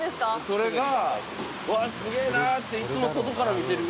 それが、わあ、すげえなっていつも外から見てる。